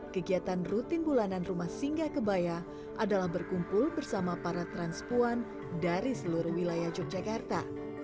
kegiatan rutin bulanan rumah singgah kebaya adalah berkumpul bersama para transpuan dari seluruh wilayah yogyakarta